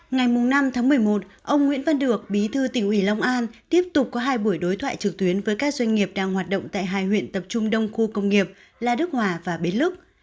ngày năm tháng một mươi một ông nguyễn văn được bí thư tỉnh ủy long an tiếp tục có hai buổi đối thoại trực tuyến với các doanh nghiệp đang hoạt động tại hai huyện tập trung đông khu công nghiệp là đức hòa và bến lức